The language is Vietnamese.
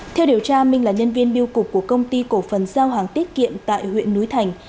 theo điều tra minh là nhân viên biêu cục của công ty cổ phần giao hàng tiết kiệm tại huyện núi thành